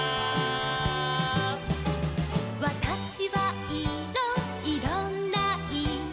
「わたしはいろいろんないろ」